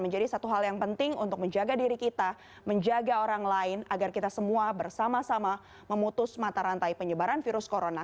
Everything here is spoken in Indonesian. menjadi satu hal yang penting untuk menjaga diri kita menjaga orang lain agar kita semua bersama sama memutus mata rantai penyebaran virus corona